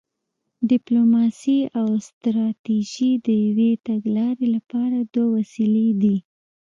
ډیپلوماسي او ستراتیژي د یوې تګلارې لپاره دوه وسیلې دي